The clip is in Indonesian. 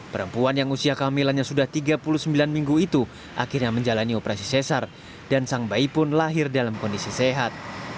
perempuan yang usia kehamilannya sudah tiga puluh sembilan minggu itu akhirnya menjalani operasi cesar dan sang bayi pun lahir dalam kondisi sehat